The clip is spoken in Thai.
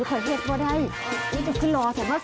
ก็ได้นี่ผู้สูงลอแสว่งมา